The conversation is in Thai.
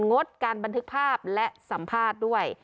งดการบันทึกภาพและสัมภาษณ์ด้วย